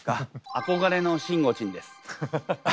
憧れのしんごちん。